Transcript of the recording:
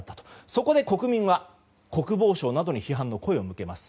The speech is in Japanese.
そこで国民は国防省などに批判の声を向けます。